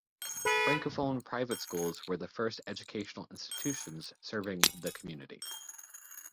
Francophone private schools were the first educational institutions serving the community.